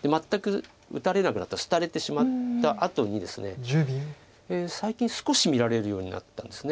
全く打たれなくなった廃れてしまったあとにですね最近少し見られるようになったんです。